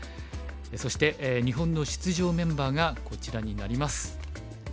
そして日本の出場メンバーがこちらになります。